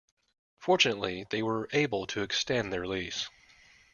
Fortunately, they were able to extend their lease.